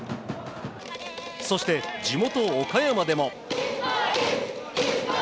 そして、地元・岡山でも。